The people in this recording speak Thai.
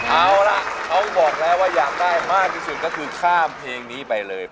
เอาล่ะเขาบอกแล้วว่าอยากได้มากที่สุดก็คือข้ามเพลงนี้ไปเลย